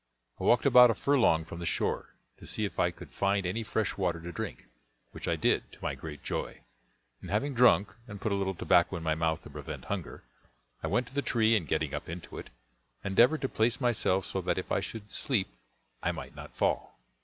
I walked about a furlong from the shore, to see if I could find any fresh water to drink, which I did, to my great joy; and having drunk, and put a little tobacco in my mouth to prevent hunger, I went to the tree, and getting up into it, endeavored to place myself so that if I should sleep I might not fall.